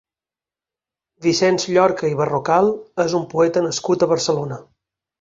Vicenç Llorca i Berrocal és un poeta nascut a Barcelona.